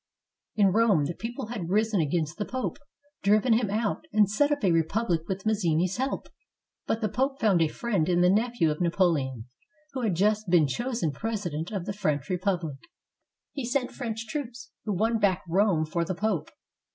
In Rome the people had risen against the Pope, driven him out, and set up a republic with Mazzini's help. But the Pope found a friend in the nephew of Napoleon, who had just been chosen President of the French Republic. He sent French troops, who won back Rome for the Pope.